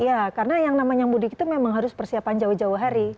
iya karena yang namanya mudik itu memang harus persiapan jauh jauh hari